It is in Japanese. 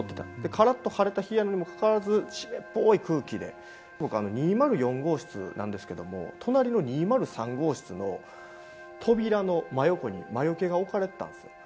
カラッと晴れた日にもかかわらず湿っぽい空気で、２０４号室なんですけれども、隣の２０３号室の扉の真横に魔よけが置かれてたんですよ。